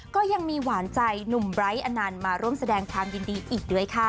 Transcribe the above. ก็ยังมีหวานใจหนุ่มไบร์ทอนันต์มาร่วมแสดงความยินดีอีกด้วยค่ะ